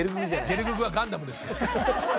ゲルググは『ガンダム』です。